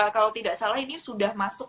kalau tidak salah ini sudah masuk